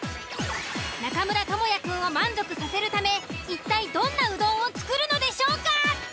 中村倫也くんを満足させるため一体どんなうどんを作るのでしょうか？